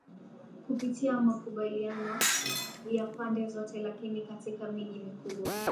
kupitia makubaliano ya pande zote Lakini katika miji mikubwa